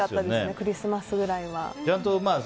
クリスマスくらいは。